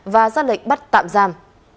và ra lệnh bắt tạm giam